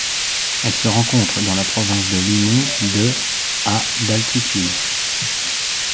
Elle se rencontre dans la province de Limón de à d'altitude.